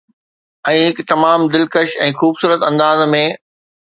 ۽ هڪ تمام دلکش ۽ خوبصورت انداز ۾